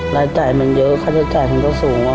รายจ่ายมันเยอะค่าใช้จ่ายมันก็สูง